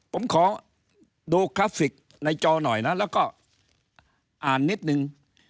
ผมขอดูกราฟิกในจอหน่อยนะแล้วก็อ่านนิดนึง